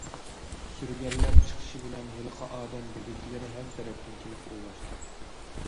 سۈرگۈنلەر چىقىشى بىلەن ھېلىقى ئادەم بېدىكلىرى ھەر تەرەپتىن كېلىپ ئولاشتى.